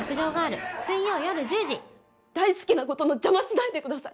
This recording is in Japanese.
大好きなことの邪魔しないでください。